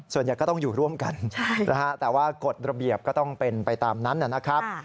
ก็ต้องอยู่ร่วมกันแต่ว่ากฎระเบียบก็ต้องเป็นไปตามนั้นนะครับ